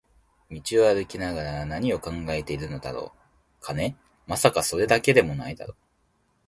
道を歩きながら何を考えているのだろう、金？まさか、それだけでも無いだろう